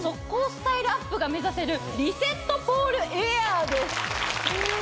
スタイルアップが目指せるリセットポールエアーです